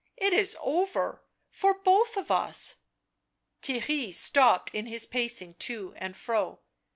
it is over — for both of us." Theirry stopped in his pacing to and fro.